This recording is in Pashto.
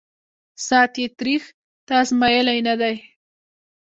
ساعت یې تریخ » تا آزمېیلی نه دی